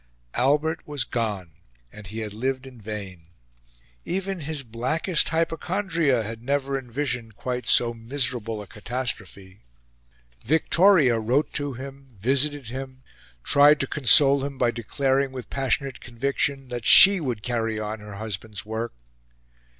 Albert was gone, and he had lived in vain. Even his blackest hypochondria had never envisioned quite so miserable a catastrophe. Victoria wrote to him, visited him, tried to console him by declaring with passionate conviction that she would carry on her husband's work.